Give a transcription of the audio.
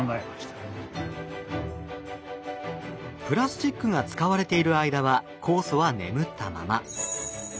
プラスチックが使われている間は酵素は眠ったまま。